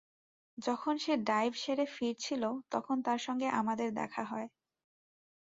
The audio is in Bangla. যখন সে ডাইভ সেরে ফিরছিল তখন তার সঙ্গে আমাদের দেখা হয়।